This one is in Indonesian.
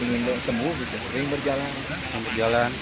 ingin sembuh sering berjalan